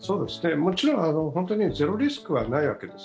もちろん本当にゼロリスクはないわけです。